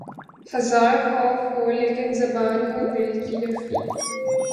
ہزار خوف ہو لیکن زباں ہو دل کی رفیق